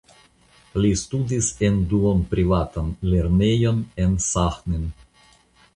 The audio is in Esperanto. Li studis en duonprivatan lernejon en Saĥnin.